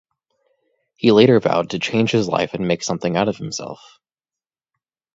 He later vowed to change his life and make something out of himself.